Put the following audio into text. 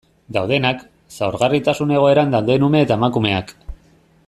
Daudenak, zaurgarritasun egoeran dauden ume eta emakumeak...